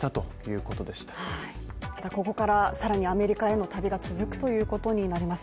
ここからさらにアメリカへの旅が続くということになります。